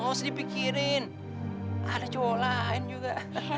lo harus dipikirin ada cowok lain juga